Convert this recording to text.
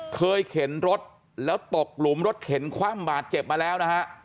เข็นรถแล้วตกหลุมรถเข็นคว่ำบาดเจ็บมาแล้วนะฮะ